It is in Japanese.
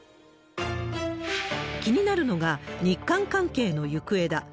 気になるのが、日韓関係の行方だ。